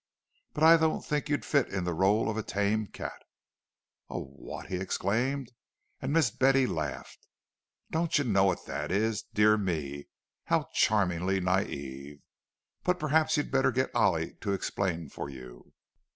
"But I don't think you'd fit in the rôle of a tame cat." "A what?" he exclaimed; and Miss Betty laughed. "Don't you know what that is? Dear me—how charmingly naïve! But perhaps you'd better get Ollie to explain for you."